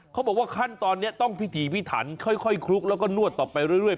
เขาบอกว่าขั้นตอนนี้ต้องพิถีพิถันค่อยคลุกแล้วก็นวดต่อไปเรื่อย